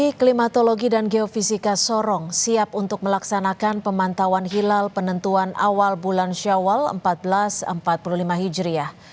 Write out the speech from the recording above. klimatologi dan geofisika sorong siap untuk melaksanakan pemantauan hilal penentuan awal bulan syawal seribu empat ratus empat puluh lima hijriah